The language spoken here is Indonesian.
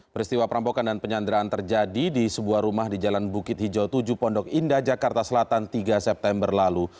peristiwa perampokan dan penyanderaan terjadi di sebuah rumah di jalan bukit hijau tujuh pondok indah jakarta selatan tiga september lalu